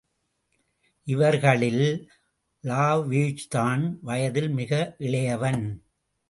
இவர்களில் லாவேஜ்தான் வயதில் மிக இளையவன்.